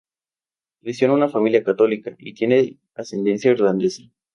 Creció en una familia católica, y tiene ascendencia irlandesa.